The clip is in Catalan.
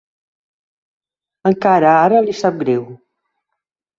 Encara ara li sap greu!